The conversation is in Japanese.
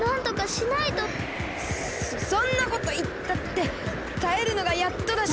そそんなこといったってたえるのがやっとだし。